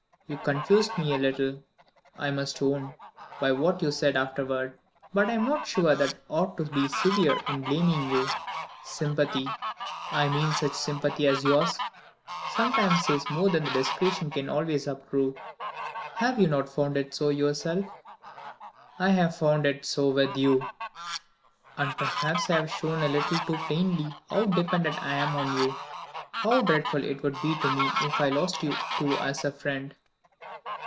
You confused me a little, I must own, by what you said afterward. But I am not sure that ought to be severe in blaming you. Sympathy I mean such sympathy as yours sometimes says more than discretion can always approve. Have you not found it so yourself?" "I have found it so with you." "And perhaps I have shown a little too plainly how dependent I am on you how dreadful it would be to me if I lost you too as a friend?"